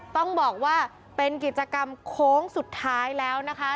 ต้องบอกว่าเป็นกิจกรรมโค้งสุดท้ายแล้วนะคะ